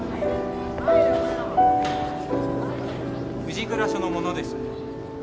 藤倉署の者です。